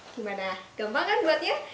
gimana gampang kan buat ya